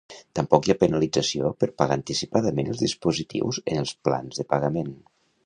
Tampoc hi ha penalització per pagar anticipadament els dispositius en els plans de pagament.